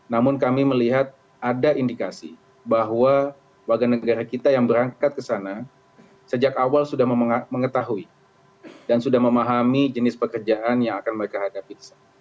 namun kami melihat ada indikasi bahwa warga negara kita yang berangkat ke sana sejak awal sudah mengetahui dan sudah memahami jenis pekerjaan yang akan mereka hadapi